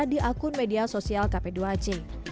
di akun media sosial kp dua c